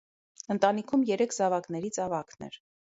Ընտանիքում երեք զավակներից ավագն էր։